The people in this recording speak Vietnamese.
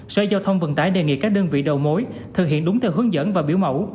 sở giao thông vận tải đề nghị các đơn vị đầu mối thực hiện đúng theo hướng dẫn và biểu mẫu